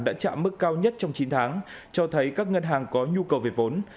đã chạm mức cao nhất trong chín tháng cho thấy các ngân hàng có nhu cầu về vốn